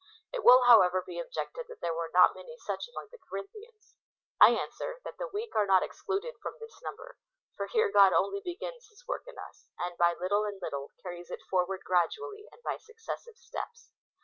It will, however, be objected, that there were not many such among the Corinthians. I answer, that the weak are not excluded from this number ; for here God only begins his work in us, and by little and little carries it forward gradually and by successive steps.